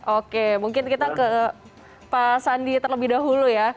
oke mungkin kita ke pak sandi terlebih dahulu ya